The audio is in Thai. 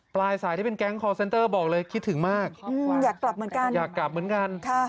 ปลายสายที่เป็นแก๊งคอร์เซ็นเตอร์บอกเลยคิดถึงมากอยากกลับเหมือนกันอยากกลับเหมือนกัน